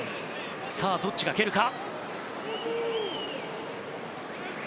さあ、どっちが蹴るか。